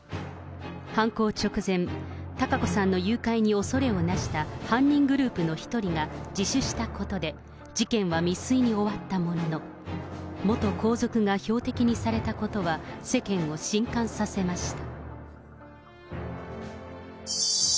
犯行直前、貴子さんの誘拐に恐れをなした犯人グループの一人が自首したことで、事件は未遂に終わったものの、元皇族が標的にされたことは世間をしんかんさせました。